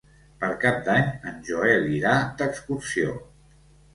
Per Cap d'Any en Joel irà d'excursió.